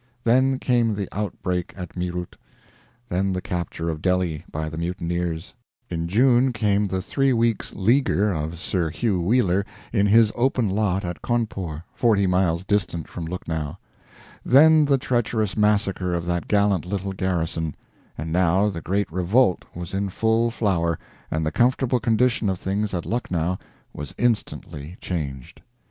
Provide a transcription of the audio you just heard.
Then came the outbreak at Meerut, then the capture of Delhi by the mutineers; in June came the three weeks leaguer of Sir Hugh Wheeler in his open lot at Cawnpore 40 miles distant from Lucknow then the treacherous massacre of that gallant little garrison; and now the great revolt was in full flower, and the comfortable condition of things at Lucknow was instantly changed.